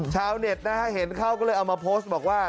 ชาวเน็ตนะฮะเห็นเขาก็เลยเอามาโพสต์บอกว่า